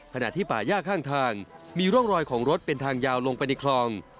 ขณะที่ป่าย่าข้างทางมีร่องรอยของรถเป็นทางยาวลงไปในคลอง